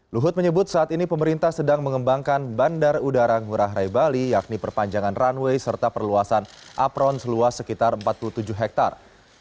luhut menyebut saat ini pemerintah sedang mengembangkan bandar udara ngurah rai bali yakni perpanjangan runway serta perluasan apron seluas sekitar empat puluh tujuh hektare